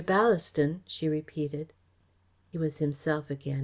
Ballaston!" she repeated. He was himself again.